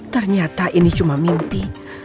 ternyata ini cuma mimpi